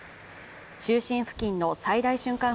中心付近の最大瞬間